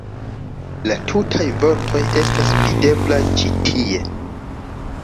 La tutaj vortoj estas videblaj ĉi tie.